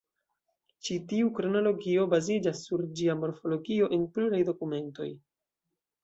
Ĉi tiu kronologio baziĝas sur ĝia morfologio kaj en pluraj dokumentoj.